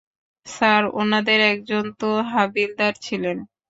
Sir, ওনাদের একজন তো হাবিলদার ছিলেন।